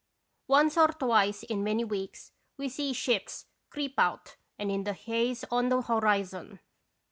Once or twice in many weeks we see ships creep out and in the haze on the horizon.